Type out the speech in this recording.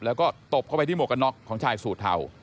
แล้วก็ตบเข้าไปที่หมวกกันน็อกของชายสูตรเทา